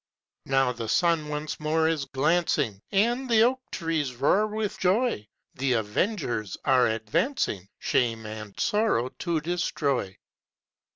Now the sun once more is glancing, And the oak trees roar with joy; The avengers are advancing, Shame and sorrow to destroy.